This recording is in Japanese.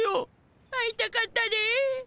会いたかったで。